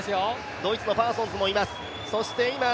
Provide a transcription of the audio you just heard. ドイツのパーソンズもいます。